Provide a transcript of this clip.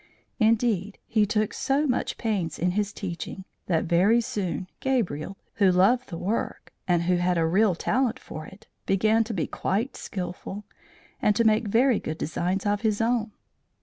Indeed, he took so much pains in his teaching, that very soon Gabriel, who loved the work, and who had a real talent for it, began to be quite skilful, and to make very good designs of his own.